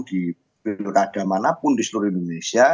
di periode keadaan manapun di seluruh indonesia